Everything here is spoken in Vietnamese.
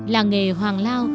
làng nghề hoàng lao